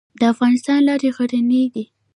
د افغانستان لارې غرنۍ دي